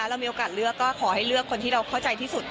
เรามีโอกาสเลือกก็ขอให้เลือกคนที่เราเข้าใจที่สุด